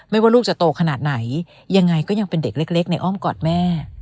ว่าลูกจะโตขนาดไหนยังไงก็ยังเป็นเด็กเล็กในอ้อมกอดแม่